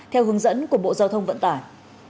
theo hướng dẫn của bộ giao thông vận tải